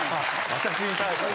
私に対して。